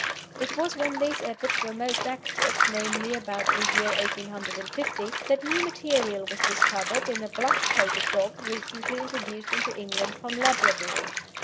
It was when these efforts were most active namely about the year 1850 that new material was discovered in a black coated dog recently introduced into England from Labrador.